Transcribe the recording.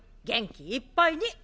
元気いっぱいに。